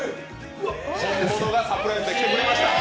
本物がサプライズで来てくれました。